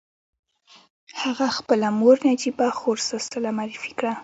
هغه خپله مور نجيبه خور سلسله معرفي کړه.